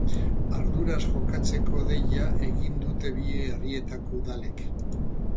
Arduraz jokatzeko deia egin dute bi herrietako udalek.